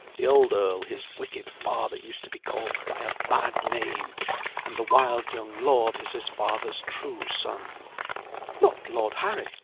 The old Earl, his wicked father, used to be called by a bad name. And the wild young lord is his father's true son." "Not Lord Harry?"